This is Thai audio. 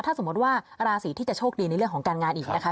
ถ้าสมมติว่าราศีที่จะโชคดีในเรื่องของการงานอีกนะคะ